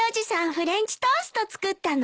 フレンチトースト作ったの？